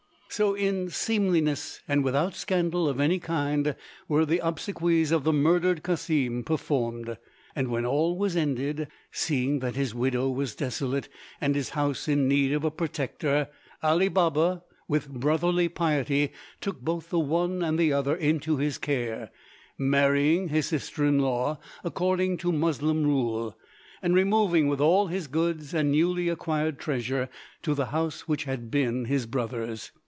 So in seemliness and without scandal of any kind were the obsequies of the murdered Cassim performed. And when all was ended, seeing that his widow was desolate and his house in need of a protector, Ali Baba with brotherly piety took both the one and the other into his care, marrying his sister in law according to Moslem rule, and removing with all his goods and newly acquired treasure to the house which had been his brother's.